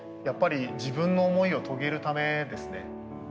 やっぱり自分の思いを遂げるためですね。